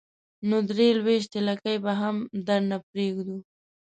نو درې لوېشتې لکۍ به هم درته پرېږدو.